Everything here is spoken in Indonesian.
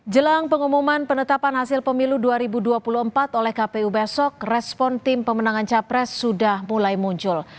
jelang pengumuman penetapan hasil pemilu dua ribu dua puluh empat oleh kpu besok respon tim pemenangan capres sudah mulai muncul